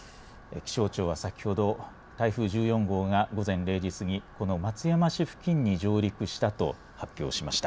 気象庁は先ほど台風１４号が午前０時過ぎこの松山市付近に上陸したと発表しました。